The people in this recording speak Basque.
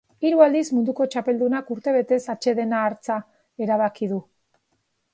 Hiru aldiz munduko txapeldunak urtebetez atsedena hartza erabaki du.